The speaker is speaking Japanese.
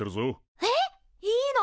えっ！？いいの！？